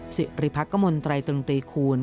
สิริพักกมลตรายตรึงตรีคูณ